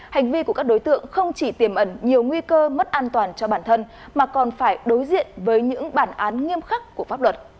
hành vi của các đối tượng không chỉ tiềm ẩn nhiều nguy cơ mất an toàn cho bản thân mà còn phải đối diện với những bản án nghiêm khắc của pháp luật